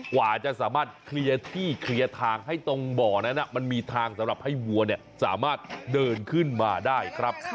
กว่าจะสามารถเคลียร์ที่เคลียร์ทางให้ตรงบ่อนั้นมันมีทางสำหรับให้วัวสามารถเดินขึ้นมาได้ครับ